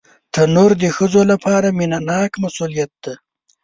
تنور د ښځو لپاره مینهناک مسؤلیت دی